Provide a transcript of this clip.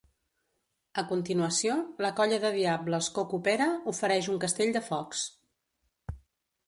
A continuació, la Colla de Diables Coco Pere ofereix un castell de focs.